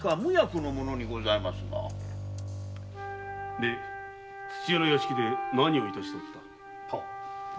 で土屋の屋敷で何をしておった？